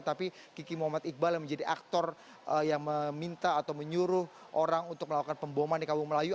tapi kiki muhammad iqbal yang menjadi aktor yang meminta atau menyuruh orang untuk melakukan pemboman di kampung melayu